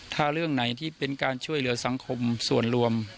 ถ้าเรื่องไหนที่เป็นการช่วยเหลือสังคมส่วนรวม